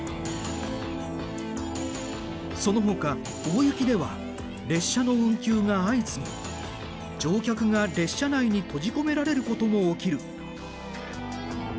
そのほか大雪では列車の運休が相次ぎ乗客が列車内に閉じ込められることも起きる。